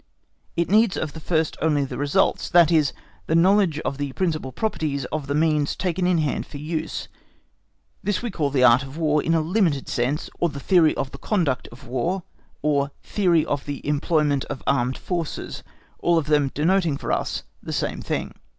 It needs of the first only the results, that is, the knowledge of the principal properties of the means taken in hand for use. This we call "The Art of War" in a limited sense, or "Theory of the Conduct of War," or "Theory of the Employment of Armed Forces," all of them denoting for us the same thing.